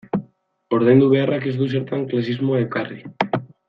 Ordaindu beharrak ez du zertan klasismoa ekarri.